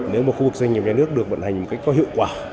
nếu một khu vực doanh nghiệp nhà nước được vận hành một cách có hiệu quả